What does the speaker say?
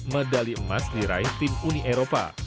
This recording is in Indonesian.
medali emas diraih tim uni eropa